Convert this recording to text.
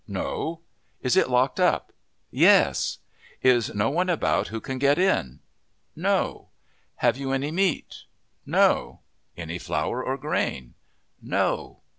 "No." "Is it locked up?" "Yes." "Is no one about who can get in?" "No." "Have you any meat?" "No." "Any flour or grain?" "No."